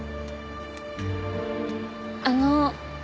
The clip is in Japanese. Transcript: あの。